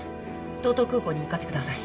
道東空港に向かってください。